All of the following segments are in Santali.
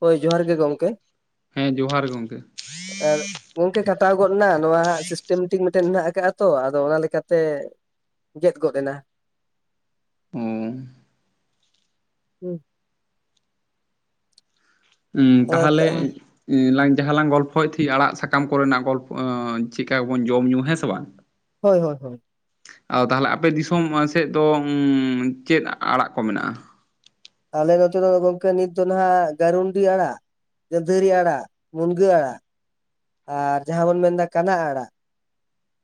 ᱦᱳᱭ ᱡᱚᱦᱟᱨ ᱜᱮ ᱜᱚᱢᱠᱮ ᱦᱮᱸ ᱡᱚᱦᱟᱨ ᱜᱚᱝᱠᱮ ᱟᱨ ᱜᱚᱝᱠᱮ ᱠᱟᱴᱟᱣ ᱜᱚᱜᱼᱱᱟ ᱱᱚᱣᱟ ᱦᱟᱸᱜ ᱥᱤᱥᱴᱮᱢᱮᱴᱤᱠ ᱢᱤᱫᱴᱮᱱ ᱢᱮᱱᱟᱜ ᱟᱠᱟᱜᱼᱟ ᱛᱚ ᱟᱫᱚ ᱚᱱᱟ ᱞᱮᱠᱟᱛᱮ ᱜᱮᱫ ᱜᱚᱫ ᱮᱱᱟ ᱦᱩᱸ ᱦᱩᱸ ᱩᱸ ᱛᱟᱦᱚᱞᱮ ᱞᱟᱝ ᱡᱟᱦᱟᱸ ᱞᱟᱝ ᱜᱚᱞᱯᱷᱚᱭᱮᱜ ᱛᱷᱮᱜ ᱟᱲᱟᱜ ᱥᱟᱠᱟᱢ ᱠᱚᱨᱮᱱᱟᱜ ᱜᱚᱞᱯ ᱚᱸ ᱪᱮᱠᱟ ᱵᱚᱱ ᱡᱚᱢ ᱧᱩᱸ ᱦᱮᱸ ᱥᱮ ᱵᱟᱝ ᱦᱳᱭ ᱦᱳᱭ ᱦᱳᱭ ᱟᱫᱚ ᱛᱟᱦᱞᱮ ᱟᱯᱮ ᱫᱤᱥᱚᱢ ᱥᱮᱫ ᱫᱚ ᱩᱸ ᱪᱮᱫ ᱟᱲᱟᱜ ᱠᱚ ᱢᱮᱱᱟᱜᱼᱟ? ᱟᱞᱮ ᱱᱚᱛᱮ ᱫᱚ ᱜᱚᱝᱠᱮ ᱱᱤᱛ ᱫᱚ ᱱᱟᱦᱟᱜ ᱜᱟᱹᱨᱩᱱᱰᱤ ᱟᱲᱟᱜ ᱜᱟᱺᱫᱷᱟᱹᱨᱤ ᱟᱲᱟᱜ ᱢᱩᱱᱜᱟᱹ ᱟᱲᱟᱜ ᱟᱨ ᱡᱟᱦᱟᱸ ᱵᱚᱱ ᱢᱮᱱᱫᱟ ᱠᱟᱱᱟ ᱟᱲᱟᱜ!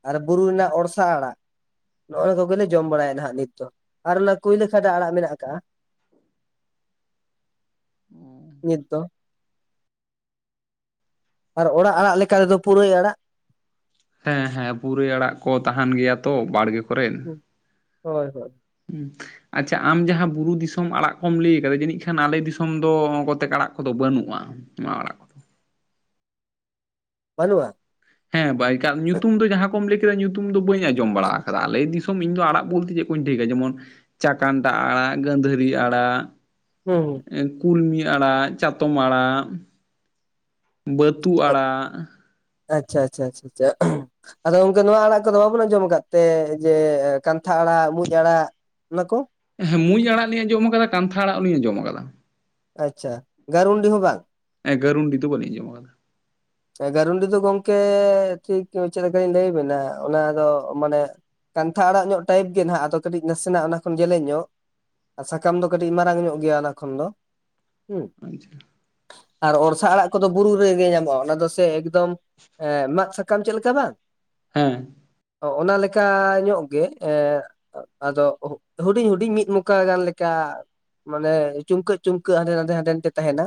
ᱟᱨ ᱵᱩᱨᱩ ᱨᱮᱱᱟᱜ ᱚᱲᱥᱟ ᱟᱲᱟᱜ ᱱᱚᱜᱼᱟ ᱠᱚᱜᱮᱞᱮ ᱡᱚᱢ ᱵᱟᱲᱟᱭᱟ ᱱᱟᱦᱟᱜ ᱱᱤᱛ ᱫᱚ ᱟᱨ ᱞᱟᱹ ᱠᱩᱭᱞᱟᱹ ᱠᱷᱟᱰᱟ ᱟᱲᱟᱜ ᱢᱮᱱᱟᱜ ᱟᱠᱟᱜᱼᱟ ᱱᱤᱛ ᱫᱚ ᱟᱨ ᱚᱲᱟᱜ ᱟᱲᱟᱜ ᱞᱮᱠᱟ ᱨᱮᱫᱚ ᱯᱩᱨᱟᱹᱭ ᱟᱲᱟᱜ ᱦᱮᱸ ᱦᱮᱸ ᱯᱩᱨᱟᱹᱭ ᱟᱲᱟᱜ ᱠᱚ ᱛᱟᱸᱦᱮᱸᱱ ᱜᱮᱭᱟ ᱛᱚ ᱵᱟᱲᱜᱮ ᱠᱚᱨᱮᱜ ᱦᱳᱭ ᱦᱳᱭ [unintelligible] ᱦᱩᱸ ᱟᱪᱪᱷᱟ ᱟᱢ ᱡᱟᱦᱟᱸ ᱵᱩᱨᱩ ᱫᱤᱥᱚᱢ ᱟᱲᱟᱜ ᱠᱚᱢ ᱞᱟᱹᱭ ᱠᱟᱫᱟ ᱡᱟᱹᱱᱤᱡ ᱠᱷᱟᱱ ᱟᱞᱮ ᱫᱤᱥᱚᱢ ᱫᱚ ᱠᱚᱛᱮᱠ ᱟᱲᱟᱜ ᱠᱚᱫᱚ ᱵᱟᱹᱱᱩᱜᱼᱟ [unintelligible] ᱵᱟᱹᱱᱩᱜᱼᱟ ᱦᱮᱸ ᱵᱟᱭᱠᱟᱜ ᱧᱩᱛᱩᱢ ᱫᱚ ᱡᱟᱦᱟᱸ ᱠᱚᱢ ᱞᱟᱹᱭ ᱠᱮᱫᱟ ᱧᱩᱛᱩᱢ ᱫᱚ ᱵᱟᱹ ᱟᱸᱡᱚᱢ ᱵᱟᱲᱟ ᱟᱠᱟᱫᱟ ᱟᱞᱮ ᱫᱤᱥ ᱫᱤᱥᱚᱢ ᱤᱧ ᱫᱚ ᱟᱲᱟᱜ ᱵᱚᱞᱛᱮ ᱪᱮᱫ ᱠᱚᱧ ᱴᱷᱟᱹᱠᱟᱹ ᱡᱮᱢᱚᱱ ᱪᱟᱠᱟᱱᱴᱟᱜ ᱟᱲᱟᱜ ᱜᱺᱫᱷᱟᱹᱨᱤ ᱟᱲᱟᱜ ᱦᱩᱸ ᱦᱩᱸ ᱮᱱ ᱠᱩᱞᱢᱤ ᱟᱲᱟᱜ ᱪᱟᱛᱚᱢ ᱟᱲᱟᱜ ᱵᱟᱹᱛᱩ ᱟᱲᱟᱜ ᱟᱪᱪᱷᱟ ᱟᱪᱪᱷᱟ ᱟᱪᱪᱷᱟ ᱟᱪᱪᱷᱟ [unintelligible] ᱟᱫᱚ ᱚᱝᱠᱮ ᱱᱚᱣᱟ ᱟᱲᱟᱜ ᱠᱚᱫᱚ ᱵᱟᱵᱚᱱ ᱟᱸᱡᱚᱢ ᱟᱠᱟᱫ ᱛᱮ ᱡᱮ ᱠᱟᱱᱛᱷᱟ ᱟᱲᱟᱜ ᱢᱩᱸᱡ ᱟᱲᱟᱜ ᱚᱱᱟᱠᱚ ᱦᱮᱸ ᱢᱩᱸᱡ ᱟᱲᱟᱜ ᱞᱤᱧ ᱟᱸᱚᱢ ᱟᱠᱟᱫᱟ ᱠᱟᱱᱛᱷᱟ ᱟᱲᱟᱜ ᱦᱚᱸ ᱞᱤᱧ ᱟᱸᱡᱚᱢ ᱟᱠᱟᱫᱟ ᱟᱪᱪᱷᱟ ᱜᱟᱨᱩᱱᱰᱤ ᱦᱚᱸ ᱵᱟᱝ ᱮ ᱜᱟᱜᱩᱨᱤᱱᱰᱤ ᱫᱚ ᱵᱟᱞᱤᱧ ᱟᱡᱚᱢ ᱠᱟᱫᱟ ᱮᱜᱟᱨᱩᱱᱰᱤ ᱫᱚ ᱜᱚᱝᱠᱮ ᱴᱷᱤᱠ ᱪᱮᱫ ᱞᱮᱠᱟᱧ ᱞᱟᱹᱭ ᱟᱵᱮᱱᱟ ᱚᱱᱟ ᱫᱚ ᱢᱟᱱᱮ ᱠᱟᱱᱛᱷᱟᱲ ᱧᱚᱜ ᱴᱟᱭᱤᱯ ᱜᱮ ᱱᱟᱦᱟᱜ ᱟᱫᱚ ᱠᱟᱹᱴᱤᱡ ᱱᱟᱥᱮᱱᱟᱜ ᱚᱱᱟ ᱠᱷᱚᱱ ᱡᱮᱞᱮᱧ ᱧᱚᱜ ᱥᱟᱠᱟᱢ ᱫᱚ ᱠᱟᱹᱴᱤᱡ ᱢᱟᱨᱟᱝ ᱧᱚᱜ ᱜᱮᱭᱟ ᱚᱱᱟ ᱠᱷᱚᱱ ᱫᱚ ᱦᱩ ᱟᱪᱪᱷᱟ ᱟᱨ ᱚᱲᱥᱟ ᱟᱲᱟᱜ ᱠᱚᱫᱚ ᱵᱩᱨᱩ ᱨᱮᱜᱮ ᱧᱟᱢᱚᱜᱼᱟ [unintelligible] ᱫᱚᱥᱨ ᱮᱠᱫᱚᱢ ᱮᱸ ᱢᱟᱫ ᱥᱟᱠᱟᱢ ᱪᱮᱫ ᱞᱮᱠᱟ ᱵᱟᱝ ᱦᱮᱸ ᱚᱜ ᱚᱱᱟ ᱞᱮᱠᱟ ᱧᱚᱜ ᱜᱮ ᱮᱸᱜ ᱟᱫᱚ ᱦᱩᱰᱤᱧᱼᱦᱩᱰᱤᱧ ᱢᱤᱫ ᱢᱚᱠᱟ ᱜᱟᱱ ᱞᱮᱠᱟ ᱢᱟᱱᱮ ᱪᱩᱢᱠᱟᱹᱜ ᱪᱩᱢᱠᱟᱹᱜ ᱦᱟᱸᱰᱮ ᱱᱟᱰᱮ ᱦᱟᱸᱰᱮ ᱱᱟᱰᱮ ᱛᱟᱦᱮᱸᱱᱟ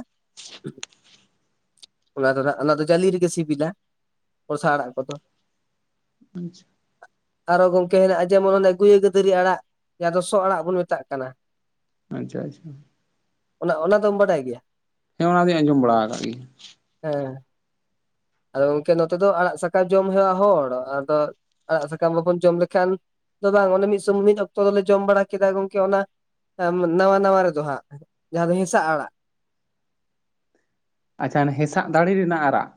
ᱚᱱᱟ ᱫᱚᱱᱟᱜ ᱚᱱᱟ ᱫᱚ ᱡᱟᱹᱞᱤ ᱨᱮᱜᱮ ᱥᱤᱵᱤᱞᱟ ᱵᱚᱨᱥᱟ ᱟᱲᱟᱜ ᱠᱚᱫᱚ ᱟᱪᱪᱷᱟ ᱟᱨᱚ ᱜᱚᱝᱠᱮ ᱦᱮᱱᱟᱜ ᱡᱮᱢᱚᱱ ᱚᱱᱮ ᱜᱩᱭᱟᱹ ᱜᱟᱹᱫᱟᱹᱨᱤ ᱟᱲᱟᱜ ᱡᱟᱦᱟ ᱫᱚ ᱥᱚ ᱟᱲᱟᱜ ᱵᱚᱱ ᱢᱮᱛᱟᱜ ᱠᱟᱱᱟ ᱟᱪᱪᱷᱟ ᱟᱪᱪᱷᱟ ᱚᱱᱟ ᱚᱱᱟ ᱫᱚᱢ ᱵᱟᱰᱟᱭ ᱜᱮᱭᱟ ᱦᱮᱸ ᱚᱱᱟ ᱫᱚᱧ ᱟᱸᱡᱚᱢ ᱵᱟᱲᱟ ᱠᱟᱫ ᱜᱮᱭᱟ ᱦᱮᱸ ᱟᱫᱚ ᱜᱚᱝᱠᱮ ᱱᱚᱛᱮ ᱫᱚ ᱟᱲᱟᱜ ᱥᱟᱠᱟᱢ ᱡᱚᱢ ᱦᱮᱣᱟ ᱦᱚᱲ ᱟᱫᱚ ᱟᱲᱟᱜ ᱥᱟᱠᱟᱢ ᱵᱟᱵᱚᱱ ᱡᱚᱢ ᱞᱮᱠᱷᱟᱱ ᱫᱚ ᱵᱟᱝ ᱚᱱᱮ ᱢᱤᱫ [inaudible] ᱢᱤᱫ ᱚᱠᱛᱚ ᱫᱚᱞᱮ ᱡᱚᱢ ᱵᱟᱲᱟ ᱠᱮᱫᱟ ᱜᱚᱝᱠᱮ ᱚᱱᱟ ᱱᱟᱣᱟ ᱱᱟᱣᱟ ᱨᱮᱫᱚ ᱦᱟᱸᱜ ᱡᱟᱦᱟᱸ ᱫᱚ ᱦᱮᱸᱥᱟᱜ ᱟᱲᱟᱜ ᱟᱪᱪᱷᱟ ᱦᱮᱸᱥᱟᱜ ᱫᱟᱲᱮ ᱨᱮᱱᱟᱜ ᱟᱨᱟᱜ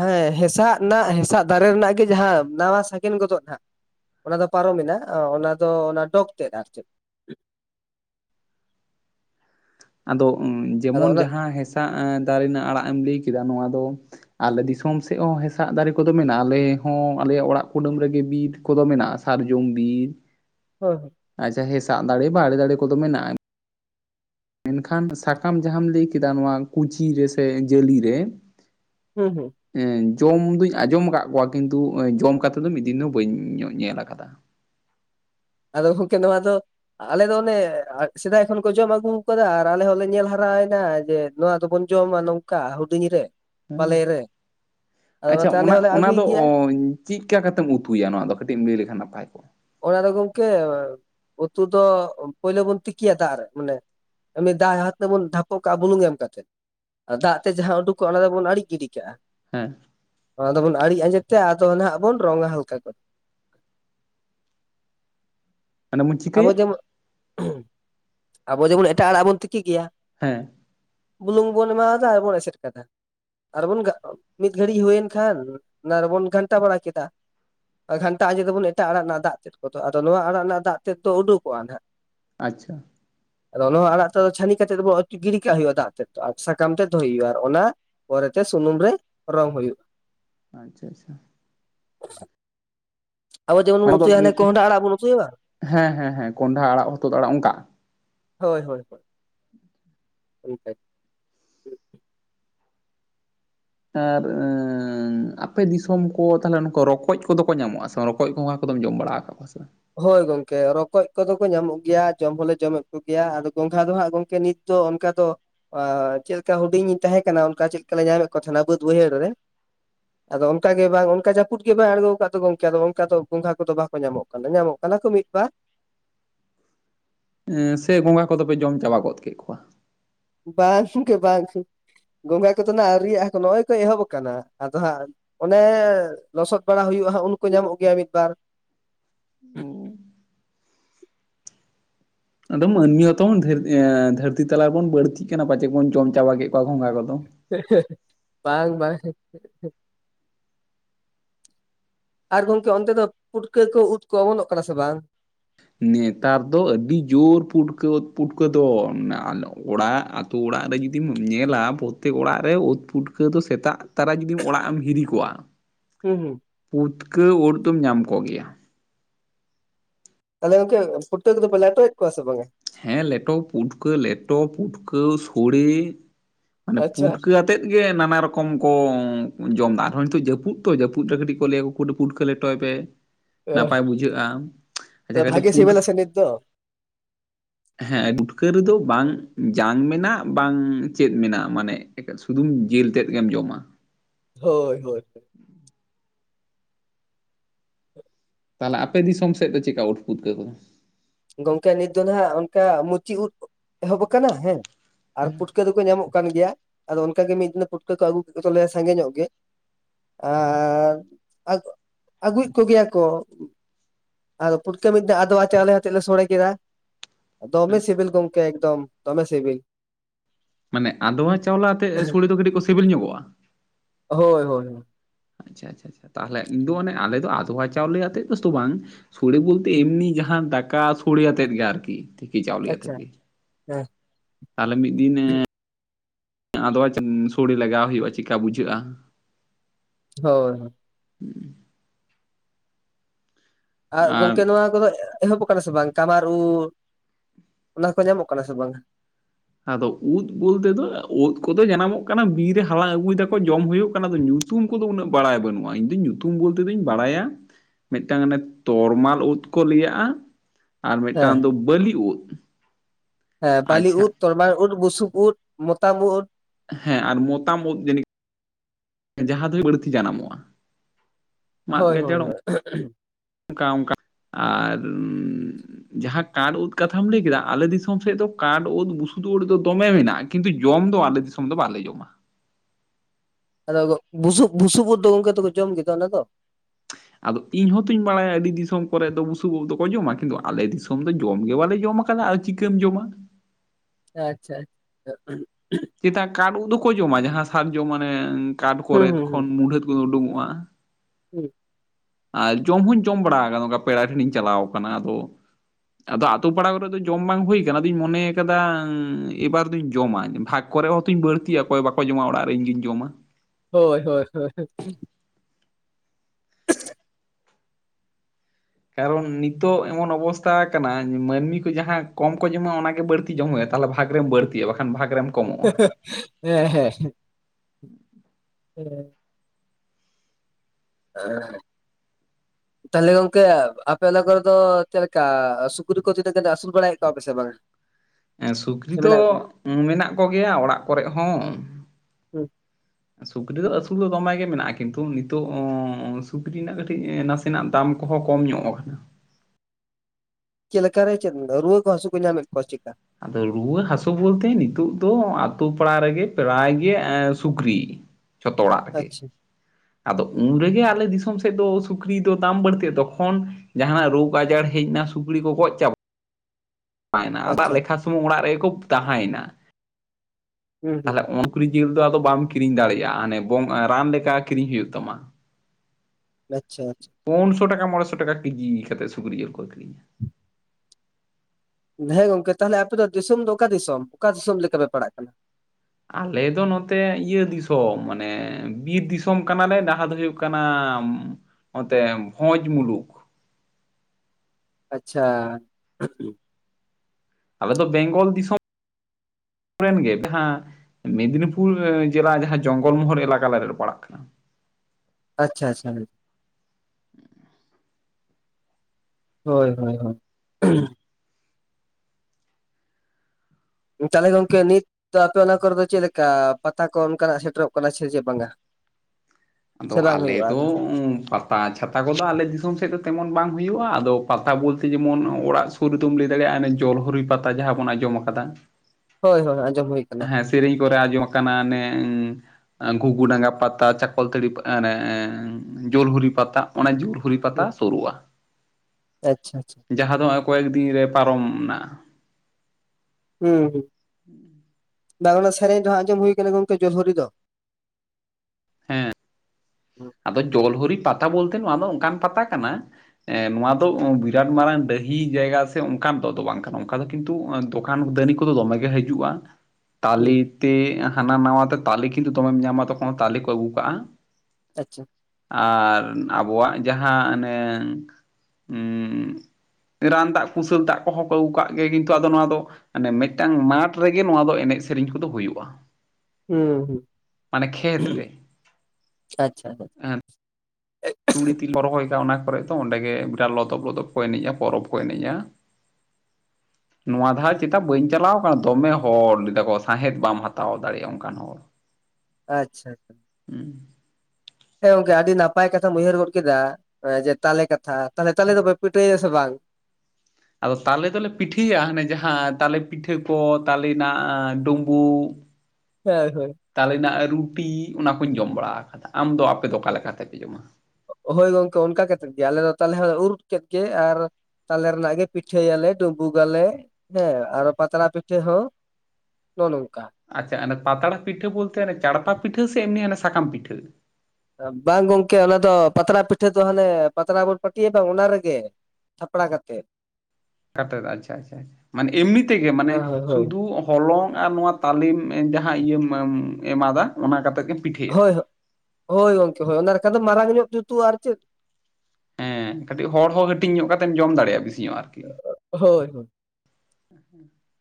ᱦᱮᱸ ᱦᱮᱸᱥᱟᱜ ᱨᱮᱱᱟᱜ ᱦᱮᱸᱥᱟᱜ ᱫᱟᱨᱮ ᱨᱮᱱᱟᱜ ᱜᱮ ᱡᱟᱦᱟᱸ ᱱᱟᱣᱟ ᱥᱟᱜᱮᱱ ᱜᱚᱫᱚᱜ ᱦᱟᱜ ᱚᱱᱟ ᱫᱚ ᱯᱟᱨᱚᱢᱮᱱᱟ ᱚᱱᱟ ᱫᱚ ᱚᱱᱟ ᱰᱚᱠ ᱛᱮᱫ ᱟᱨ ᱪᱮᱫ ᱟᱫᱚ ᱟᱫᱚ ᱡᱮᱢᱚᱱ ᱚᱱᱟ ᱡᱟᱦᱟᱸ ᱦᱮᱸᱥᱟᱜ ᱫᱟᱨᱮ ᱨᱮᱱᱟᱜ ᱟᱲᱟᱜ ᱮᱢ ᱞᱟᱹᱭ ᱠᱮᱫᱟ ᱱᱚᱣᱟ ᱫᱚ ᱟᱞᱮ ᱫᱤᱥᱚᱢ ᱥᱮᱜ ᱦᱚᱸ ᱦᱮᱥᱟᱜ ᱫᱟᱨᱮ ᱠᱚᱫᱚ ᱢᱮᱱᱟᱜᱼᱟ ᱟᱞᱮ ᱦᱚᱸ ᱟᱞᱮᱭᱟᱜ ᱚᱲᱟᱜ ᱠᱩᱰᱟᱹᱢ ᱨᱮᱜᱮ ᱵᱤᱨ ᱠᱚᱫᱚ ᱢᱮᱱᱟᱜᱼᱟ ᱥᱟᱨᱡᱚᱢ ᱵᱤᱨ ᱦᱮᱸ ᱦᱮᱸ ᱟᱪᱪᱷᱟ ᱦᱮᱸᱥᱟᱜ ᱫᱟᱲᱮ ᱵᱟᱲᱮ ᱫᱟᱲᱮ ᱠᱚᱫᱚ ᱢᱮᱱᱟᱜᱼᱟ ᱢᱮᱱᱠᱷᱟᱱ ᱥᱟᱠᱟᱢ ᱡᱟᱦᱟᱢ ᱞᱟᱹᱭ ᱠᱮᱫᱟ ᱱᱚᱣᱟ ᱠᱩᱪᱤ ᱨᱮᱥᱮ ᱡᱟᱞᱤ ᱨᱮ ᱦᱮᱸ ᱦᱩᱸ ᱮ ᱡᱚᱢ ᱫᱩᱧ ᱟᱸᱡᱚᱢ ᱠᱟᱜ ᱠᱚᱣᱟ ᱠᱤᱱᱛᱩ ᱡᱚᱢ ᱠᱟᱛᱮᱜ ᱫᱚ ᱢᱤᱫ ᱫᱤᱱ ᱫᱚ ᱵᱟᱹᱧ ᱧᱮᱞ ᱠᱟᱫᱟ ᱟᱫᱚ ᱜᱚᱝᱠᱮ ᱱᱚᱣᱟ ᱫᱚ ᱟᱞᱮ ᱫᱚ ᱚᱱᱮ ᱥᱮᱫᱟᱭ ᱠᱷᱚᱱ ᱠᱚ ᱡᱚᱢ ᱟᱹᱜᱩ ᱠᱟᱫᱟ ᱟᱨ ᱟᱞᱮ ᱦᱚᱸᱞᱮ ᱧᱮᱞ ᱦᱟᱨᱟᱭᱱᱟ ᱡᱮ ᱱᱚᱣᱟ ᱫᱚᱵᱚᱱ ᱡᱚᱢᱟ ᱱᱚᱝᱠᱟ ᱦᱩᱰᱤᱧ ᱨᱮ ᱦᱮᱸ ᱵᱟᱞᱮ ᱨᱮ ᱟᱫᱚ ᱟᱪᱪᱷᱟ ᱚᱱᱟᱛᱮ ᱟᱞᱮ ᱚᱱᱟ ᱦᱚᱸᱞᱮ ᱚᱱᱟ ᱟᱹᱜᱩᱭ ᱫᱚ ᱜᱮᱭᱟ ᱪᱮᱜᱠᱟ ᱠᱟᱛᱮᱢ ᱩᱛᱩᱭᱟ ᱱᱚᱣᱟ ᱫᱚ ᱠᱟᱹᱴᱤᱡ ᱮᱢ ᱞᱟᱹᱭ ᱞᱮᱠᱷᱟᱱ ᱱᱟᱯᱟᱭ ᱠᱚᱜᱼᱟ ᱚᱱᱟ ᱫᱚ ᱜᱚᱢᱠᱮ ᱩᱛᱩ ᱫᱚ ᱯᱳᱭᱞᱳ ᱵᱚᱱ ᱛᱤᱠᱤᱭᱟ ᱫᱟᱜ ᱨᱮ ᱢᱟᱱᱮ [inaudible] ᱵᱩᱞᱩᱝ ᱮᱢ ᱠᱟᱛᱮᱫ ᱫᱟᱜ ᱛᱮ ᱡᱟᱦᱟᱸ ᱩᱰᱩᱠᱚᱜ ᱚᱱᱟ ᱫᱚᱵᱚᱱ ᱟᱲᱤᱡ ᱜᱤᱰᱤ ᱠᱟᱜᱼᱟ ᱦᱮᱸ ᱟᱫᱚ ᱵᱚᱱ ᱟᱲᱤᱡ ᱟᱸᱡᱮᱫ ᱛᱮ ᱟᱫᱚ ᱱᱟᱦᱟᱜ ᱵᱚᱱ ᱨᱚᱝᱟ ᱦᱟᱞᱠᱟ ᱠᱚ ᱚᱱᱮ ᱵᱚᱱ ᱟᱵᱚ, ᱪᱤᱠᱟᱹᱭᱟ [unintelligible] ᱟᱵᱚ ᱡᱮᱢᱚᱱ ᱮᱴᱟᱜ ᱟᱲᱟᱜ ᱵᱚᱱ ᱛᱤᱠᱤ ᱜᱮᱭᱟ ᱦᱮᱸ ᱵᱩᱞᱩᱝ ᱵᱚᱱ ᱮᱢᱟᱫᱟ ᱟᱨᱵᱚᱱ ᱮᱥᱮᱫ ᱠᱟᱫᱟ ᱟᱨᱵᱚᱱ ᱢᱤᱫ ᱜᱷᱟᱹᱲᱤᱡ ᱦᱳᱭᱮᱱ ᱠᱷᱟᱱ ᱚᱱᱟ ᱨᱮᱵᱚᱱ ᱜᱷᱟᱱᱴᱟ ᱵᱟᱲᱟ ᱠᱮᱫᱟ ᱜᱷᱟᱱᱴᱟ ᱟᱸᱡᱮᱫ ᱛᱟᱵᱚᱱ ᱮᱴᱟᱜ ᱟᱲᱟᱜ ᱨᱮᱱᱟᱜ ᱫᱟᱜ ᱛᱮᱫ ᱠᱚᱫᱚ ᱟᱫᱚ ᱱᱚᱣᱟ ᱟᱲᱟᱜ ᱨᱮᱱᱟᱜ ᱫᱟᱜ ᱛᱮᱫ ᱫᱚ ᱩᱰᱩᱠᱚᱜᱼᱟ ᱱᱟᱜ ᱟᱪᱪᱷᱟ ᱟᱫᱚ ᱚᱱᱟ ᱟᱲᱟᱜ ᱛᱮᱫᱚ ᱪᱷᱟᱹᱱᱤ ᱠᱟᱛᱮᱫ ᱫᱚᱵᱚᱱ ᱜᱤᱲᱤ ᱠᱟᱜ ᱦᱩᱭᱩᱜᱼᱟ ᱫᱟᱜ ᱛᱮᱫ ᱫᱚ ᱟᱨ ᱥᱟᱠᱟᱢ ᱛᱮ ᱫᱚᱦᱚᱭ ᱦᱩᱭᱩᱜᱼᱟ ᱟᱨ ᱚᱱᱟ ᱯᱚᱨᱮᱛᱮ ᱥᱩᱱᱩᱢ ᱨᱮ ᱨᱚᱝ ᱦᱳᱭᱳᱜᱼᱟ ᱟᱪᱪᱷᱟ ᱟᱪᱪᱷᱟ [inaudible] ᱟᱵᱚ ᱡᱮᱢᱚᱱ ᱵᱚᱱ ᱚᱱᱟᱫᱚ ᱩᱛᱩᱭᱟ ᱦᱟᱱᱮ ᱠᱚᱸᱦᱰᱟ ᱟᱲᱟᱜ ᱵᱚᱱ ᱩᱛᱩᱭᱟ ᱵᱟᱝ ᱦᱮᱸ ᱦᱮᱸ ᱦᱮᱸ ᱠᱚᱸᱰᱷᱟ ᱟᱲᱟᱜ ᱦᱚᱛᱚᱫ ᱟᱲᱟᱜ ᱚᱱᱠᱟ ᱦᱳᱭ ᱦᱳᱭ ᱦᱳᱭ ᱟᱨ ᱟᱯᱮ ᱫᱤᱥᱚᱢ ᱠᱚ ᱛᱟᱦᱚᱞᱮ ᱩᱱᱠᱩ ᱨᱚᱠᱚᱡ ᱠᱚᱫᱚ ᱠᱚ ᱧᱟᱢᱚᱜᱼᱟ ᱥᱮ ᱵᱟᱝ ᱨᱚᱠᱚᱡ ᱠᱚ ᱜᱚᱝᱦᱟ ᱠᱚᱫᱚᱢ ᱡᱚᱢ ᱵᱟᱲᱟ [inaudible] ᱦᱳᱭ ᱜᱚᱝᱠᱮ ᱨᱚᱠᱚᱡ ᱠᱚᱫᱚ ᱠᱚ ᱧᱟᱢᱚᱜ ᱜᱮᱭᱟ ᱡᱚᱢ ᱦᱚᱞᱮ ᱡᱚᱢᱮᱫ ᱠᱚᱜᱭᱟ ᱟᱫᱚ ᱜᱚᱸᱝᱜᱷᱟ ᱫᱚ ᱦᱟᱸᱜ ᱜᱚᱝᱠᱮ ᱱᱤᱛ ᱛᱚ ᱚᱱᱠᱟ ᱫᱚ ᱪᱮᱫᱞᱮᱠᱟ ᱦᱩᱰᱤᱧᱤᱧ ᱛᱟᱦᱮᱸ ᱚᱱᱠᱟ ᱪᱮᱫ ᱞᱮᱠᱟ ᱞᱮ ᱧᱟᱢᱮᱫ ᱠᱚ ᱛᱟᱦᱮᱱᱟ ᱵᱟᱹᱫ ᱵᱟᱹᱭᱦᱟᱹᱲ ᱨᱮ ᱟᱫᱚ ᱚᱱᱠᱟ ᱜᱮ ᱵᱟᱝ ᱚᱱᱠᱟ ᱡᱟᱹᱯᱩᱫ ᱜᱮ ᱵᱟᱭ ᱟᱬᱜᱚ ᱠᱟᱫ ᱫᱚ ᱜᱚᱢᱠᱮ ᱟᱫᱚ ᱚᱱᱠᱟ ᱫᱚ ᱜᱚᱸᱜᱷᱟ ᱠᱚᱫᱚ ᱵᱟᱠᱚ ᱧᱟᱢᱚᱜ ᱧᱟᱢᱚᱜ ᱠᱟᱱᱟ ᱠᱚ ᱢᱤᱫ ᱵᱟᱨ ᱥᱮ ᱜᱚᱸᱝᱦᱟ ᱠᱚᱫᱚ ᱯᱮ ᱡᱚᱢ ᱪᱟᱵᱟ ᱜᱚᱫ ᱠᱮᱫ ᱠᱚᱣᱟ ᱵᱟᱝ ᱜᱚᱝᱠᱮ ᱵᱟᱝ ᱜᱚᱸᱝᱦᱟ ᱠᱚᱫᱚ ᱜ ᱟᱹᱣᱤᱭ ᱠᱚ ᱱᱚᱜᱼᱚᱭ ᱠᱚ ᱮᱦᱚᱵ ᱟᱠᱟᱱᱟ ᱟᱫᱚ ᱦᱟᱸᱜ ᱚᱱᱮ ᱞᱚᱥᱚᱫ ᱵᱟᱲᱟ ᱦᱩᱭᱩᱜᱼᱟ ᱦᱟᱜ ᱩᱱᱠᱩ ᱧᱟᱢᱚᱜ ᱜᱮᱭᱟ ᱢᱤᱫᱵᱟᱨ ᱚ ᱟᱫᱚᱚᱢ ᱢᱟᱹᱱᱢᱤ ᱦᱚᱛᱚ ᱫᱷᱟᱹᱨᱛᱤ ᱛᱟᱞᱟ ᱨᱮᱵᱚᱱ ᱵᱟᱹᱲᱛᱤᱜ ᱠᱟᱱᱟ ᱯᱟᱪᱮᱫ ᱵᱚᱱ ᱡᱚᱢ ᱪᱟᱵᱟ ᱠᱮᱫ ᱠᱚᱣᱟ ᱵᱚᱱ ᱜᱚᱸᱝᱦᱟ ᱠᱚᱫᱚ ᱵᱟᱝ ᱵᱟᱝ ᱟᱨ ᱜᱚᱝᱠᱮ ᱚᱱᱛᱮ ᱫᱚ ᱯᱩᱴᱠᱟᱹ ᱠᱚ ᱩᱫ ᱠᱚ ᱚᱢᱚᱱᱚᱜ ᱠᱟᱱᱟ ᱥᱮ ᱵᱟᱝ ᱱᱮᱛᱟᱨ ᱫᱚ ᱟᱹᱰᱤ ᱡᱳᱨ ᱯᱩᱴᱠᱟᱹ ᱯᱩᱴᱠᱟᱹ ᱫᱚ ᱟᱞᱮ ᱚᱲᱟᱜ ᱛᱳ ᱚᱲᱟᱜ ᱨᱮ ᱡᱩᱫᱤᱢ ᱧᱮᱞᱟ ᱯᱨᱚᱛᱛᱮᱠ ᱚᱲᱟᱜ ᱨᱮ ᱩᱫ ᱯᱩᱴᱠᱟᱹ ᱫᱚ ᱥᱮᱛᱟᱜ ᱛᱟᱨᱟ ᱡᱩᱫᱤᱢ ᱚᱲᱟᱜ ᱮᱢ ᱦᱤᱨᱤ ᱠᱚᱣᱟ ᱦᱩᱸ ᱦᱩᱸ ᱯᱩᱴᱠᱟᱹ ᱳᱛᱽ ᱫᱚᱢ ᱧᱟᱢ ᱠᱚᱜᱮᱭᱟ ᱛᱟᱦᱮᱞᱮ ᱜᱚᱢᱠᱮ ᱯᱩᱴᱠᱟᱹ ᱠᱚᱫᱚ ᱯᱮ ᱞᱮᱴᱚ ᱮᱫ ᱠᱚᱣᱟ ᱥᱮ ᱵᱟᱝ ᱟ ᱦᱮᱸ ᱞᱮᱴᱚ ᱯᱩᱴᱠᱟᱹ ᱞᱮᱴᱚ ᱯᱩᱴᱠᱟᱹ ᱥᱚᱲᱮ ᱢᱟᱱᱮ ᱟᱪᱪᱷᱟ ᱯᱩᱴᱠᱟᱹ ᱛᱮᱫ ᱜᱮ ᱱᱟᱱᱟ ᱨᱚᱠᱚᱢ ᱠᱚ ᱡᱚᱢᱫᱟ ᱟᱨᱦᱚᱸ ᱱᱤᱛᱚᱜ ᱡᱟᱹᱯᱩᱫ ᱛᱚ ᱡᱟᱹᱯᱩᱫ ᱨᱮ ᱠᱟᱹᱴᱤᱡ ᱠᱚ ᱞᱟᱹᱭᱟᱠᱚ ᱯᱩᱰ ᱯᱩᱴᱠᱟᱹ ᱞᱮᱴᱚᱭ ᱯᱮ ᱮ, ᱱᱟᱯᱟᱭ ᱵᱩᱡᱷᱟᱹᱜᱼᱟ ᱟᱪᱪᱷᱟ ᱠᱟᱹᱴᱤᱡ ᱵᱷᱟᱜᱮ ᱯᱩᱰ ᱥᱤᱵᱤᱞᱟᱥᱮ ᱱᱤᱛ ᱫᱚ ᱦᱮᱸ ᱯᱩᱴᱠᱟᱹ ᱨᱮᱫᱚ ᱵᱟᱝ ᱡᱟᱝ ᱢᱮᱱᱟᱜ ᱵᱟᱝ ᱪᱮᱫ ᱢᱮᱱᱟᱜᱼᱟ ᱢᱟᱱᱮ ᱥᱩᱫᱷᱩᱢ ᱡᱮᱞ ᱛᱮᱫ ᱜᱮᱢ ᱡᱚᱢᱟ ᱦᱳᱭ ᱦᱳᱭ ᱦᱳᱭ ᱛᱟᱦᱚᱞᱮ ᱟᱯᱮ ᱫᱤᱥᱚᱢ ᱥᱮᱫ ᱫᱚ ᱪᱮᱠᱟ ᱳᱴ ᱯᱩᱛᱠᱟᱹ ᱠᱚᱫᱚ ᱜᱚᱢᱠᱮ ᱱᱤᱛ ᱫᱚ ᱱᱟᱦᱜ ᱚᱱᱠᱟ ᱢᱩᱪᱤ ᱳᱴ ᱮᱦᱚᱵ ᱟᱠᱟᱱᱟ ᱦᱮᱸ ᱟᱨ ᱯᱩᱴ ᱦᱮᱸ ᱯᱩᱴᱠᱟᱹ ᱫᱚᱠᱚ ᱧᱟᱢᱚᱜ ᱠᱟᱱ ᱜᱮᱭᱟ ᱟᱫᱚ ᱚᱱᱠᱟ ᱜᱮ ᱢᱤᱫ ᱫᱤᱱ ᱯᱩᱴᱠᱟᱹ ᱠᱚ ᱟᱹᱜᱩ ᱠᱮᱫ ᱠᱚ ᱛᱟᱞᱮᱭᱟ ᱥᱟᱸᱜᱮ ᱧᱚᱜ ᱜᱮ ᱟᱨ ᱟᱹᱜᱩᱭᱮᱫ ᱠᱚᱜᱮᱭᱟ ᱠᱚ ᱟᱫᱚ ᱯᱩᱴᱠᱟᱹ ᱢᱤᱫ ᱟᱫᱚᱶᱟ ᱪᱟᱣᱞᱮ ᱛᱮᱞᱮ ᱥᱳᱲᱮ ᱠᱮᱫᱟ ᱫᱚᱢᱮ ᱥᱮᱵᱮᱞ ᱜᱚᱢᱠᱮ ᱮᱠᱫᱚᱢ ᱫᱚᱢᱮ ᱥᱮᱵᱮᱞ ᱢᱟᱱᱮ ᱟᱫᱣᱟ ᱪᱟᱣᱞᱮ ᱟᱛᱮᱜ ᱥᱳᱲᱮ ᱫᱚ ᱠᱚ ᱠᱟᱹᱴᱤᱡ ᱠᱚ ᱥᱤᱵᱤᱞ ᱧᱚᱜᱚᱜᱼᱟ ᱦᱳᱭ ᱦᱳᱭ ᱦᱳᱭ ᱟᱪᱪᱷᱟ ᱟᱪᱪᱷᱟ ᱛᱟᱦᱚᱞᱮ ᱤᱧᱫᱚ ᱢᱟᱱᱮ ᱟᱞᱮ ᱫᱚ ᱟᱫᱽᱣᱟ ᱪᱟᱣᱞᱮ ᱟᱛᱮᱫ ᱫᱚ ᱛᱚ ᱵᱟᱝ ᱥᱳᱲᱮ ᱵᱚᱞᱛᱮ ᱮᱢᱱᱤ ᱡᱟᱦᱟᱸ ᱫᱟᱠᱟ ᱥᱳᱲᱮ ᱟᱛᱮᱫ ᱜᱮ ᱟᱨᱠᱤ ᱪᱟᱣᱞᱮ ᱟᱛᱮᱫ ᱟᱪᱪᱷᱟ ᱜᱮ ᱦᱮᱸ ᱛᱟᱦᱚᱞᱮ ᱢᱤᱫ ᱫᱤᱱ ᱟᱫᱽᱣᱟ‌ ᱪᱟᱣᱞᱮ ᱥᱳᱲᱮ ᱞᱟᱜᱟᱣ ᱦᱩᱭᱩᱜᱼᱟ ᱪᱮᱠᱟ ᱵᱩᱡᱷᱟᱹᱜᱼᱟ ᱦᱳᱭ ᱦᱳᱭ [inaudible] ᱟᱨ ᱜᱚᱢᱠᱮ ᱱᱚᱣᱟ ᱠᱚᱫᱚ ᱮᱦᱚᱵᱚᱜ ᱟᱠᱟᱱᱟ ᱥᱮ ᱵᱟᱝ ᱠᱟᱢᱟᱨ ᱩᱫ ᱚᱱᱟ ᱠᱚ ᱧᱟᱢᱚᱜ ᱠᱟᱱᱟ ᱥᱮ ᱵᱟᱝ ᱟᱫᱚ ᱩᱫ ᱵᱚᱞᱛᱮ ᱫᱚ ᱩᱫ ᱠᱚᱫᱚ ᱡᱟᱱᱟᱢᱚᱜ ᱠᱟᱱᱟ ᱵᱤᱨ ᱨᱮ ᱦᱟᱞᱟᱝ ᱟᱹᱜᱩᱭ ᱫᱟᱠᱚ ᱡᱚᱢ ᱦᱩᱭᱩᱜ ᱠᱟᱱᱟ ᱧᱩᱛᱩᱢ ᱠᱚᱫᱚ ᱩᱱᱟᱹᱜ ᱵᱟᱲᱟᱭ ᱵᱟᱹᱱᱩᱜᱼᱟ ᱤᱧ ᱫᱚ ᱧᱩᱛᱩᱢ ᱵᱚᱞᱛᱮ ᱫᱚᱩᱧ ᱵᱟᱲᱟᱭᱟ ᱢᱤᱫᱴᱟᱝ ᱟᱱᱮ ᱛᱚᱨᱢᱟᱞ ᱩᱫ ᱠᱚ ᱞᱟᱹᱭᱟᱜᱼᱟ ᱟᱨ ᱦᱮᱸ ᱢᱤᱫᱴᱟᱝ ᱫᱚ ᱵᱟᱹᱞᱤ ᱩᱫ ᱦᱮᱸ ᱵᱟᱹᱞᱤ ᱟᱪᱪᱷᱟ ᱩᱫ ᱛᱚᱨᱢᱟᱞ ᱩᱫ ᱵᱩᱥᱩᱵ ᱩᱫ ᱢᱚᱛᱟᱢ ᱩᱫ ᱦᱮᱸ ᱟᱨ ᱢᱚᱛᱟᱢ ᱩᱫ ᱡᱟᱦᱟᱸ ᱫᱚ ᱵᱟᱹᱲᱛᱤ ᱡᱟᱱᱟᱢᱚᱜᱼᱟ ᱢᱟᱫ ᱦᱳᱭ ᱦᱳᱭ ᱜᱟᱡᱟᱲ ᱦᱳᱭ ᱚᱱᱠᱟ ᱚᱱᱠᱟ ᱟᱨ ᱡᱟᱦᱟᱸ ᱠᱟᱴ ᱩᱫ ᱠᱟᱛᱷᱟᱢ ᱞᱟᱹᱭ ᱠᱮᱫᱟ ᱟᱞᱮ ᱫᱤᱥᱚᱢ ᱥᱮᱫ ᱫᱚ ᱠᱟᱴ ᱩᱫ ᱵᱩᱥᱩᱫ ᱩᱫ ᱫᱚ ᱫᱚᱢᱮ ᱢᱮᱱᱟᱜᱼᱟ ᱠᱤᱱᱛᱩ ᱡᱚᱢ ᱫᱚ ᱟᱞᱮ ᱫᱤᱥᱚᱢ ᱫᱚ ᱵᱟᱞᱮ ᱡᱚᱢᱟ ᱟᱫᱚ ᱵᱩᱥᱩᱵ ᱵᱩᱥᱩᱵᱩ ᱩᱫ ᱫᱚ ᱜᱚᱢᱠᱮ ᱫᱚᱠᱚ ᱡᱚᱢ ᱜᱮᱫᱚ ᱚᱱᱟ ᱫᱚ ᱟᱫᱚ ᱤᱧ ᱦᱚᱸᱛᱚᱧ ᱵᱟᱲᱟᱭᱟ ᱟᱹᱰᱤ ᱫᱤᱥᱚᱢ ᱠᱚᱨᱮ ᱫᱚ ᱵᱩᱥᱩᱵ ᱩᱫ ᱫᱚᱠᱚ ᱡᱚᱢᱟ ᱠᱤᱱᱛᱩ ᱟᱞᱮ ᱫᱤᱥᱚᱢ ᱫᱚ ᱡᱚᱢ ᱜᱮ ᱵᱟᱞᱮ ᱡᱚᱢᱟ ᱪᱟᱞᱟᱜ ᱟᱨ ᱪᱤᱠᱟᱹᱢ ᱡᱚᱢᱟ ᱟᱪᱪᱷᱟ ᱟᱪᱪᱷᱟ ᱪᱮᱛᱟ ᱠᱟᱴ ᱩᱫ ᱫᱚᱠᱚ ᱡᱚᱢᱟ ᱡᱟᱦᱟᱸ ᱥᱟᱨᱡᱚᱢ ᱢᱟᱱᱮ ᱠᱟᱴ ᱠᱚᱨᱮ ᱦᱩᱸ ᱦᱩᱸ ᱠᱷᱚᱱ ᱢᱩᱰᱦᱟᱹᱛ ᱠᱚᱨᱮ ᱠᱷᱚᱱ ᱩᱸᱰᱩᱜᱚᱜᱼᱟ ᱦᱩᱸ ᱟᱨ ᱡᱚᱢ ᱦᱚᱸᱧ ᱡᱚᱢ ᱵᱟᱲᱟ ᱠᱟᱫᱟ ᱱᱚᱝᱠᱟ ᱯᱮᱲᱟ ᱴᱷᱮᱱᱤᱧ ᱪᱟᱞᱟᱣ ᱠᱟᱱᱟ ᱟᱫᱚ ᱟᱫᱚ ᱟᱛᱳ ᱯᱟᱲᱟ ᱠᱚᱨᱮ ᱫᱚ ᱡᱚᱢ ᱵᱟᱝ ᱦᱩᱭ ᱟᱠᱟᱱᱟ ᱟᱫᱚᱧ ᱢᱚᱱᱮ ᱠᱟᱫᱟ ᱮᱵᱟᱨ ᱫᱩᱧ ᱡᱚᱢᱟ ᱵᱷᱟᱜ ᱠᱚᱨᱮ ᱦᱚᱸᱛᱚᱧ ᱵᱟᱹᱲᱛᱤᱜᱼᱟ ᱚᱠᱚᱭ ᱵᱟᱠᱚ ᱡᱚᱢᱟ ᱚᱲᱟᱜ ᱨᱮ ᱤᱧᱜᱤᱧ ᱡᱚᱢᱟ ᱦᱳᱭ ᱦᱳᱭ ᱦᱳᱭ ᱠᱟᱨᱚᱱ ᱱᱤᱛᱚᱜ ᱮᱢᱚᱱ ᱚᱵᱚᱥᱛᱟ ᱠᱟᱱᱟ ᱢᱟᱹᱱᱢᱤ ᱠᱚ ᱡᱟᱦᱟᱸ ᱠᱚᱢ ᱠᱚ ᱡᱚᱢᱟ ᱚᱱᱟ ᱜᱮ ᱵᱟᱹᱲᱛᱤ ᱡᱚᱢ ᱦᱩᱭᱩᱜᱼᱟ ᱛᱟᱦᱚᱞᱮ ᱵᱷᱟᱜᱽ ᱨᱮᱢ ᱵᱟᱹᱲᱛᱤᱜᱼᱟ ᱵᱟᱠᱷᱟᱱ ᱵᱷᱟᱜᱽ ᱨᱮᱢ ᱠᱚᱢᱚᱜᱼᱟ ᱦᱮᱸ ᱦᱮᱸ ᱦᱮᱸ ᱦᱮᱸ ᱛᱟᱦᱞᱮ ᱜᱚᱝᱠᱮ ᱟᱯᱮ ᱚᱱᱟ ᱠᱚᱨᱮ ᱫᱚ ᱪᱮᱫ ᱞᱮᱠᱟ ᱥᱩᱠᱨᱤ ᱠᱚ ᱛᱤᱱᱟᱹᱜ ᱜᱟᱱ ᱟᱹᱥᱩᱞ ᱵᱟᱲᱟᱭᱮᱫ ᱠᱚᱣᱟ ᱯᱮ ᱥᱮ ᱵᱟᱝᱟ [inaudible] ᱦᱮᱸ ᱥᱩᱠᱨᱤ ᱫᱚ ᱢᱮᱱᱟᱜ ᱠᱚᱜᱮᱭᱟ ᱚᱲᱟᱜ ᱠᱚᱨᱮᱜ ᱦᱚᱸ ᱦᱩᱸ ᱥᱩᱠᱨᱤ ᱫᱚ ᱟᱹᱥᱩᱞ ᱫᱚ ᱫᱚᱢᱮ ᱜᱮ ᱢᱮᱱᱟᱜᱼᱟ ᱠᱤᱱᱛᱩ ᱱᱤᱛᱚᱜ ᱥᱩᱠᱨᱤ ᱨᱮᱱᱟᱜ ᱠᱟᱹᱴᱤᱡ ᱱᱟᱥᱮ ᱱᱟᱥᱱᱟᱜ ᱫᱟᱢ ᱠᱚᱦᱚᱸ ᱠᱚᱢ ᱧᱚᱜ ᱟᱠᱟᱱᱟ ᱪᱮᱫ ᱞᱮᱠᱟᱨᱮ ᱪᱮᱫ ᱨᱩᱣᱟᱹ ᱠᱚ ᱦᱟᱹᱥᱩ ᱠᱚ ᱧᱟᱢᱮᱫ ᱠᱚᱣᱟ ᱥᱮ ᱪᱮᱠᱟ ᱟᱫᱚ ᱨᱩᱣᱟᱹ ᱦᱟᱹᱥᱩ ᱵᱚᱞᱛᱮ ᱱᱤᱛᱚᱜ ᱫᱚ ᱟᱛᱳ ᱯᱟᱲᱟ ᱨᱮᱜᱮ ᱯᱨᱟᱭ ᱜᱮ ᱥᱩᱠᱨᱤ ᱡᱷᱚᱛᱚ ᱚᱲᱟᱜ ᱨᱮᱜᱮ ᱟᱪᱪᱷᱟ ᱟᱫᱚ ᱩᱱᱨᱮᱜᱮ ᱟᱞᱮ ᱫᱤᱥᱚᱢ ᱥᱮᱫ ᱫᱚ ᱥᱩᱠᱨᱤ ᱫᱚ ᱫᱟᱢ ᱵᱟᱹᱲᱛᱤᱜᱼᱟ ᱛᱚᱠᱷᱚᱱ ᱡᱟᱦᱟᱱᱟᱜ ᱨᱳᱜᱽ ᱟᱡᱟᱨ ᱦᱮᱡᱱᱟ ᱥᱩᱠᱨᱤ ᱠᱚ ᱜᱚᱡ ᱪᱟᱵᱟᱜ ᱪᱟᱵᱟᱭᱱᱟ ᱟᱫᱟᱜ ᱟᱪᱪᱷᱟ ᱞᱮᱠᱷᱟ ᱥᱩᱢᱩᱝ ᱚᱲᱟᱜ ᱨᱮᱜᱮ ᱠᱚ ᱛᱟᱦᱮᱸᱭᱮᱱᱟ ᱦᱩᱸ ᱦᱩᱸ ᱛᱟᱦᱞᱮ ᱩᱱᱠᱨᱤ ᱡᱤᱞ ᱫᱚ ᱟᱫᱚ ᱵᱟᱢ ᱠᱤᱨᱤᱧ ᱫᱟᱲᱮᱭᱟᱜᱼᱟ ᱦᱟᱱᱮ ᱵᱚᱝ ᱨᱟᱱ ᱞᱮᱠᱟ ᱠᱤᱨᱤᱧ ᱦᱩᱭᱩᱜ ᱛᱟᱢᱟ ᱟᱪᱪᱷᱟ ᱟᱪᱪᱷᱟ ᱯᱩᱱᱥᱚ ᱴᱟᱠᱟ ᱢᱚᱬᱮᱥᱚ ᱴᱟᱠᱟ ᱠᱤᱡᱤ ᱠᱟᱛᱮᱜ ᱥᱩᱠᱨᱤ ᱥᱩᱠᱨᱤ ᱡᱤᱞ ᱠᱚ ᱟᱠᱷᱨᱤᱧᱟ ᱦᱮᱸ ᱜᱚᱝᱠᱮ ᱛᱟᱦᱞᱮ ᱟᱯᱮ ᱫᱚ ᱫᱤᱥᱚᱢ ᱫᱚ ᱚᱠᱟ ᱫᱤᱥᱚᱢ ᱚᱠᱟ ᱫᱤᱥᱚᱢ ᱞᱮᱠᱟ ᱯᱮ ᱯᱟᱲᱟᱜ ᱠᱟᱱᱟ ᱟᱞᱮ ᱫᱚ ᱱᱚᱛᱮ ᱤᱭᱟᱹ ᱫᱤᱥᱚᱢ ᱢᱟᱱᱮ ᱵᱤᱨ ᱫᱤᱥᱚᱢ ᱠᱟᱱᱟᱞᱮ ᱰᱟᱦᱟ ᱫᱚ ᱦᱩᱭᱩᱜ ᱠᱟᱱᱟ ᱠᱟᱱᱟ ᱱᱚᱛᱮ ᱵᱷᱚᱸᱡᱽ ᱢᱩᱞᱩᱠ ᱟᱪᱪᱷᱟ ᱟᱞᱮ ᱫᱚ ᱵᱮᱝᱜᱚᱞ ᱫᱤᱥᱚᱢ ᱨᱮᱱ ᱜᱮ ᱡᱟᱦᱟᱸ ᱢᱮᱫᱽᱱᱤᱯᱩᱨ ᱡᱮᱞᱟ ᱡᱟᱦᱟᱸ ᱡᱚᱝᱜᱚᱞ ᱢᱚᱦᱚᱞ ᱮᱞᱟᱠᱟ ᱨᱮ ᱯᱟᱲᱟᱜ ᱠᱟᱱᱟ ᱟᱪᱪᱷᱟ ᱟᱪᱪᱷᱟ ᱦᱳᱭ ᱦᱳᱭ ᱦᱳᱭ ᱛᱟᱦᱞᱮ ᱜᱚᱝᱠᱮ ᱱᱤᱛ ᱟᱯᱮ ᱚᱱᱟ ᱠᱚᱨᱮ ᱫᱚ ᱪᱮᱫ ᱞᱮᱠᱟ ᱯᱟᱛᱟ ᱠᱚ ᱚᱝᱠᱟᱱᱟᱜ ᱥᱮᱴᱮᱨᱚᱜ ᱠᱟᱱᱟ ᱥᱮ ᱪᱮᱫ ᱵᱟᱝᱟ ᱥᱮ ᱟᱫᱚ ᱵᱟᱝ ᱦᱩᱭᱩᱜᱼᱟ ᱟᱞᱮᱫᱚ ᱟᱫᱚ ᱯᱟᱛ ᱟ ᱪᱷᱟᱛᱟ ᱠᱚᱫᱚ ᱟᱞᱮ ᱫᱤᱥᱚᱢ ᱥᱮᱫ ᱫᱚ ᱛᱮᱢᱚᱱ ᱵᱟᱝ ᱦᱩᱭᱩᱜᱼᱟ ᱟᱫᱚ ᱯᱟᱛᱟ ᱵᱚᱞᱛᱮ ᱡᱮᱢᱚᱱ ᱚᱲᱟᱜ ᱥᱩᱨ ᱨᱮ ᱫᱚᱢ ᱞᱟᱹᱭ ᱫᱟᱲᱮᱭᱟᱜᱼᱟ ᱦᱟᱱᱮ ᱡᱚᱞᱦᱚᱨᱤ ᱯᱟᱛᱟ ᱡᱟᱦᱟᱸ ᱵᱚᱱ ᱟᱸᱡᱚᱢ ᱟᱠᱟᱫᱟ ᱦᱳᱭ ᱦᱳᱭ ᱟᱸᱡᱚᱢ ᱦᱩᱭ ᱟᱠᱟᱱᱟ ᱦᱮᱸ ᱥᱮᱨᱮᱧ ᱠᱚᱨᱮ ᱟᱸᱡᱚᱢ ᱟᱠᱟᱱᱟ ᱚᱱᱮ ᱜᱩᱜᱩ ᱰᱟᱝᱜᱟ ᱯᱟᱛᱟ, ᱪᱟᱠ ᱠᱚᱞᱛᱟᱹᱲᱤ ᱟᱱᱮ ᱡᱳᱞᱦᱚᱨᱤ ᱯᱟᱛᱟ ᱚᱱᱟ ᱡᱩᱞᱦᱚᱨᱤ ᱦᱩᱸ ᱯᱟᱛᱟ ᱥᱩᱨᱩᱜᱼᱟ ᱟᱪᱪᱷᱟ ᱟᱪᱪᱷᱟ ᱡᱟᱦᱟᱸ ᱫᱚ ᱦᱚᱸᱜ-ᱚᱭ ᱠᱚᱭᱮᱠ ᱫᱤᱱ ᱨᱮ ᱯᱟᱨᱚᱢ ᱱᱟ᱾ ᱦᱩᱸ ᱦᱩᱸ ᱦᱮᱸ ᱵᱟᱝᱞᱟ ᱥᱮᱨᱮᱧ ᱨᱮᱦᱚᱸ ᱟᱸᱡᱚᱢ ᱦᱩᱭ ᱟᱠᱟᱱᱟ ᱜᱚᱝᱠᱮ ᱡᱚᱞᱦᱚᱨᱤ ᱫᱚ᱾ ᱦᱮᱸ ᱟᱫᱚ ᱡᱚᱞᱦᱚᱨᱤ ᱯᱟᱛᱟ ᱵᱚᱞᱛᱮ ᱱᱚᱣᱟ ᱫᱚ ᱚᱝᱠᱟᱱ ᱯᱟᱛᱟ ᱠᱟᱱᱟ ᱮᱸᱻ ᱱᱚᱣᱟ ᱫᱚ ᱵᱤᱨᱟᱴ ᱢᱟᱨᱟᱝ ᱰᱟᱹᱦᱤ ᱡᱟᱭᱜᱟ ᱥᱮ ᱚᱱᱠᱟᱟᱱ ᱫᱚ ᱫᱚ ᱵᱟᱝ ᱠᱟᱱᱟ, ᱚᱱᱠᱟ ᱫᱚ ᱠᱤᱱᱛᱩ ᱚᱱᱟ ᱫᱚᱠᱟᱱ ᱫᱟᱹᱱᱤ ᱠᱚᱫᱚ ᱫᱚᱢᱮᱜ ᱜᱮ ᱦᱤᱡᱩᱜᱼᱟ᱾ [inaudible] ᱛᱟᱞᱮ ᱛᱮ ᱦᱟᱱᱟ ᱱᱟᱣᱟ ᱛᱮ ᱛᱟᱞᱮ ᱠᱤᱱᱛᱩ ᱫᱚᱢᱮᱢ ᱧᱟᱢᱟ ᱛᱚᱠᱷᱚᱱ ᱛᱟᱞᱮ ᱠᱚ ᱟᱹᱜᱩ ᱠᱟᱜᱼᱟ᱾ ᱟᱪᱪᱷᱟ ᱟᱨ ᱟᱵᱚᱣᱟᱜ ᱡᱟᱦᱟᱸ ᱚᱱᱮ ᱩᱸᱻ ᱨᱟᱱ ᱫᱟᱜ ᱠᱩᱥᱟᱹᱞ ᱫᱟᱜ ᱠᱚᱦᱚᱸ ᱠᱚ ᱟᱹᱜ ᱠᱟᱜ ᱜᱮᱭᱟ ᱠᱤᱱᱛᱩ ᱟᱫᱚ ᱱᱚᱣᱟ ᱫᱚ ᱢᱟᱱᱮ ᱢᱤᱫᱴᱟᱝ ᱢᱟᱴᱷ ᱨᱮᱜᱮ ᱱᱚᱣᱟ ᱫᱚ ᱮᱱᱮᱡ ᱥᱮᱨᱮᱧ ᱠᱚᱫᱚ ᱦᱩᱭᱩᱜᱼᱟ᱾ ᱦᱩᱸ ᱢᱟᱱᱮ ᱠᱷᱮᱛ ᱦᱩᱸ ᱟᱪᱪᱷᱟ ᱦᱮᱸ ᱦᱮᱸ ᱛᱩᱲᱤ ᱛᱤᱞ ᱨᱚᱦᱚᱭ ᱟᱠᱟᱜ ᱚᱱᱟ ᱠᱚᱨᱮ ᱫᱚ ᱚᱸᱰᱮ ᱜᱮ ᱵᱤᱨᱟᱴ ᱞᱚᱫᱚᱵ ᱞᱚᱫᱚᱵ ᱠᱚ ᱮᱱᱮᱡᱼᱟ ᱯᱚᱨᱚᱵᱽ ᱠᱚ ᱮᱱᱮᱡᱼᱟ᱾ [inaudible] ᱱᱚᱣᱟ ᱫᱷᱟᱣ ᱪᱮᱛᱟ ᱵᱟᱹᱧ ᱪᱟᱞᱟᱣ ᱟᱠᱟᱱᱟ ᱾ ᱫᱚᱢᱮ ᱦᱚᱲ ᱞᱟᱹᱭ ᱫᱟᱠᱚ ᱥᱟᱸᱦᱮᱫ ᱵᱟᱢ ᱦᱟᱛᱟᱣ ᱫᱟᱲᱮᱭᱟᱜᱼᱟ ᱚᱱᱠᱟᱱ ᱦᱚᱲ ᱾ ᱟᱪᱪᱷᱟ ᱦᱩᱸ ᱦᱮᱸ ᱜᱚᱝᱠᱮ ᱟᱹᱰᱤ ᱱᱟᱯᱟᱭ ᱠᱟᱛᱷᱟᱢ ᱩᱭᱦᱟᱹᱨ ᱜᱚᱫ ᱠᱮᱫᱟ ᱾ ᱡᱮ ᱛᱟᱞᱮ ᱠᱟᱛᱷᱟ, ᱛᱟᱦᱞᱮ ᱛᱟᱞᱮ ᱫᱚᱯᱮ ᱯᱤᱴᱷᱟᱹᱭᱟ ᱥᱮ ᱵᱟᱝ? ᱟᱫᱚ ᱛᱟᱞᱮ ᱫᱚᱞᱮ ᱯᱤᱴᱷᱟᱹᱭᱟ ᱦᱟᱱᱮ ᱡᱟᱦᱟᱸ ᱛᱟᱞᱮ ᱯᱤᱴᱷᱟᱹ ᱠᱚ ᱛᱟᱞᱮ ᱨᱮᱱᱟᱜ ᱰᱩᱢᱵᱩᱜ ᱾ ᱦᱮᱸ ᱦᱮᱸ ᱛᱟᱞᱮ ᱨᱮᱱᱟᱜ ᱨᱩᱴᱤ ᱚᱱᱟ ᱠᱚᱧ ᱡᱚᱢ ᱵᱟᱲᱟ ᱟᱠᱟᱫᱟ ᱾ ᱟᱢᱫᱚ ᱟᱯᱮ ᱫᱚ ᱚᱠᱟ ᱞᱮᱠᱟᱛᱮ ᱯᱮ ᱡᱚᱢᱟ? ᱦᱳᱭ ᱜᱚᱝᱠᱮ ᱚᱱᱠᱟ ᱠᱟᱛᱮᱫ ᱜᱮ ᱟᱞᱮ ᱫᱚ ᱛᱟᱞᱮ ᱦᱚᱸᱞᱮ ᱩᱨᱩᱵ ᱠᱮᱫ ᱜᱮ ᱟᱨ ᱛᱟᱞᱮ ᱨᱮᱱᱟᱜ ᱜᱮ ᱯᱤᱴᱷᱟᱹᱭᱟᱞᱮ, ᱰᱩᱸᱵᱩᱜᱟᱞᱮ ᱦᱮᱸ ᱟᱨᱚ ᱯᱟᱛᱲᱟ ᱯᱤᱴᱷᱟᱹ ᱦᱚᱸ ᱾ ᱱᱚᱜᱼᱚ ᱱᱚᱝᱠᱟ ᱟᱪᱪᱷᱟ ᱯᱟᱛᱲᱟ ᱯᱤᱴᱷᱟᱹ ᱵᱚᱞᱛᱮ ᱪᱟᱲᱯᱟ ᱯᱤᱴᱷᱟᱹ ᱥᱮ ᱮᱢᱱᱤ ᱥᱟᱠᱟᱢ ᱯᱤᱴᱷᱟᱹ? ᱵᱟᱝ ᱜᱚᱝᱠᱮ ᱚᱱᱟ ᱫᱚ ᱯᱟᱛᱲᱟ ᱯᱤᱴᱷᱟᱹ ᱫᱚ ᱦᱟᱱᱮ ᱯᱟᱛᱲᱟ ᱵᱚᱱ ᱯᱟᱹᱴᱤᱭᱟ ᱵᱟᱝ ᱚᱱᱟ ᱨᱮᱜᱮ ᱾ ᱛᱷᱟᱯᱲᱟ ᱠᱟᱛᱮᱫ ᱠᱟᱛᱮᱫ ᱟᱪᱪᱷᱟ ᱟᱪᱪᱷᱟ ᱢᱟᱱᱮ ᱮᱢᱱᱤ ᱛᱮᱜᱮ ᱢᱟᱱᱮ ᱦᱳᱭ ᱦᱳᱭ ᱥᱩᱫᱩ ᱦᱚᱞᱚᱝ ᱟᱨ ᱱᱚᱣᱟ ᱛᱟᱞᱮᱢ ᱡᱟᱦᱟᱸ ᱤᱭᱟᱹᱢ ᱮᱢᱟᱫᱟ ᱚᱱᱟ ᱠᱟᱛᱮᱫ ᱜᱮ ᱾ ᱦᱳᱭ ᱦᱳ ᱦᱳᱭ ᱜᱚᱢᱠᱮ ᱦᱳᱭ ᱚᱱᱟ ᱞᱮᱠᱟ ᱫᱚ ᱢᱟᱨᱟᱝ ᱧᱚᱜ ᱡᱩᱛᱩᱜᱼᱟ ᱟᱨ ᱪᱮᱫ ᱦᱮᱸ ᱠᱟᱹᱴᱤᱡ ᱦᱚᱲ ᱦᱚᱸ ᱦᱟᱹᱴᱤᱧ ᱧᱚᱜ ᱠᱟᱛᱮᱢ ᱡᱚᱢ ᱫᱟᱲᱮᱭᱟᱜᱼᱟ ᱵᱮᱥᱤ ᱧᱚᱜ ᱟᱨᱠᱤ ᱦᱳᱭ ᱦᱳᱭ [inaudible]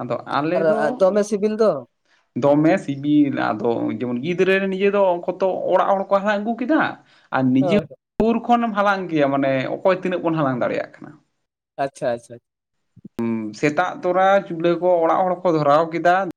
ᱟᱫᱚ ᱟᱞᱮ ᱫᱚ ᱟᱨ ᱫᱚᱢᱮ ᱥᱤᱵᱤᱞ ᱫᱚ ᱫᱚᱢᱮ ᱥᱤᱵᱤᱞ ᱟᱫᱚ ᱡᱮᱢᱚᱱ ᱜᱤᱫᱽᱨᱟᱹ ᱱᱤᱡᱮ ᱫᱚ ᱠᱚᱛᱚ ᱚᱲᱟᱜ ᱦᱚᱲ ᱠᱚ ᱦᱟᱞᱟᱝ ᱟᱹᱜᱩ ᱠᱮᱫᱟ ᱾ ᱟᱨ ᱱᱤᱡᱮ ᱦᱳᱭ ᱥᱳᱨ ᱠᱷᱚᱱ ᱮᱢ ᱦᱟᱞᱟᱝ ᱜᱮᱭᱟ ᱢᱟᱱᱮ ᱚᱠᱚᱭ ᱛᱤᱱᱟᱹᱜ ᱵᱚᱱ ᱦᱟᱞᱟᱝ ᱫᱟᱲᱮᱭᱟᱜ ᱠᱟᱱᱟ ᱾ ᱟᱪᱪᱷᱟ ᱟᱪᱪᱷᱟ ᱥᱮᱛᱟᱜ ᱛᱚᱨᱟ ᱪᱩᱞᱦᱟᱹ ᱠᱚ ᱚᱲᱟᱜ ᱦᱚᱲ ᱠᱚ ᱫᱷᱚᱨᱟᱣ ᱠᱮᱫᱟ ᱾